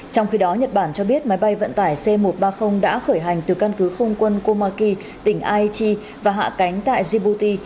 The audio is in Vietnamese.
trong khi đó nhật bản cho biết máy bay vận tải c một trăm ba mươi đã khởi hành từ căn cứ không quân komaki tỉnh aichi và hạ cánh tại djibuti